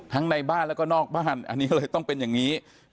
ในบ้านแล้วก็นอกบ้านอันนี้ก็เลยต้องเป็นอย่างนี้